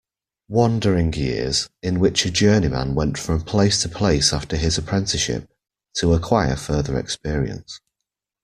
Wandering years, in which a journeyman went from place to place after his apprenticeship, to acquire further experience.